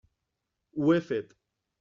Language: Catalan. Ho he fet.